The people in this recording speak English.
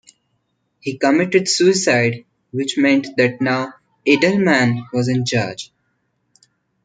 He committed suicide, which meant that now Edelman was in charge.